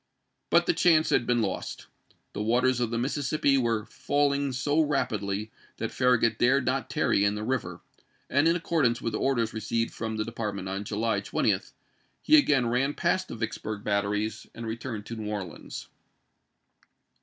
But the chance had been lost. The waters of the Mississippi were falling so rapidly that Farragut dared not tarry in the river ; and in accordance with orders received from the Department on July 20, he again ran past the Vicksburg batteries and returned to New Orleans.